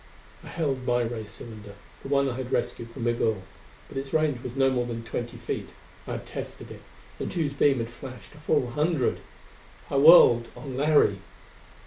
I held my ray cylinder the one I had rescued from Migul. But its range was no more than twenty feet: I had tested it; and Tugh's beam had flashed a full hundred! I whirled on Larry.